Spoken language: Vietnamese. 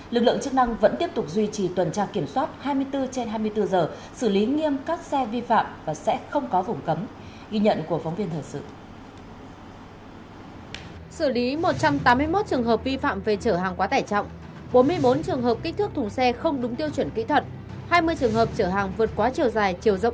lực lượng chức năng vẫn tiếp tục duy trì tuần tra kiểm soát hai mươi bốn trên hai mươi bốn giờ xử lý nghiêm các xe vi phạm và sẽ không khó